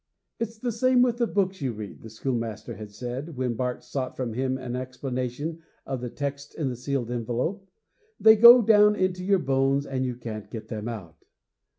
'It's the same with the books you read,' the schoolmaster had said, when Bart sought from him an explanation of the text in the sealed envelope; 'they go down into your bones and you can't get them out.'